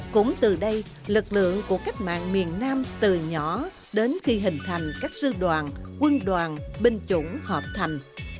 cũng từ đây lực lượng của cách mạng miền nam từ nhỏ đến khi hình thành các sư đoàn quân đoàn binh chủng hợp thành